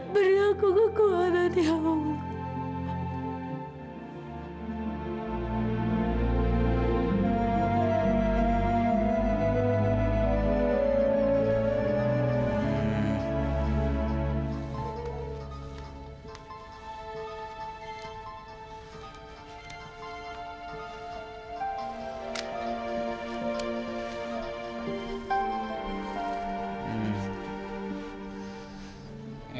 beri aku kekuatan ya allah